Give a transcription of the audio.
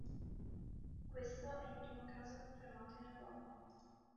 Questo è il primo caso confermato in Europa.